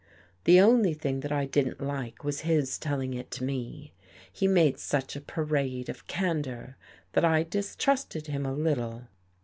" The only thing that I didn't like was his telling it to me. He made such a parade of candor that I distrusted him a little.